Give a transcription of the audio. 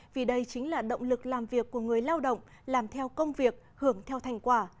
vì đây chính là động lực làm việc của người lao động làm theo công việc hưởng theo thành quả